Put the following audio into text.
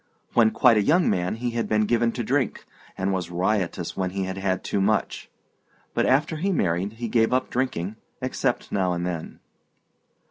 When quite a young man he had been given to drink, and was riotous when he had had too much; but after he married he gave up drinking, except now and then.